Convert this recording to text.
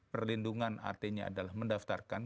perlindungan artinya adalah mendaftarkan